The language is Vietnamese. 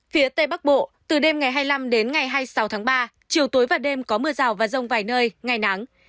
phía tây bắc bộ từ đêm ngày hai mươi năm đến ngày hai mươi sáu tháng ba chiều tối và đêm có mưa rào và rông vài nơi ngày nắng